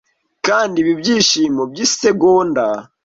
kandi ibi byishimo by'isegonda